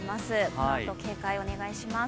このあと警戒をお願いします。